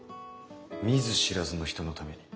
見ず知らずの人のために？